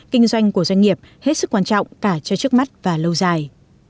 kinh doanh của doanh nghiệp hết sức quan trọng cả cho trước mắt và lâu dài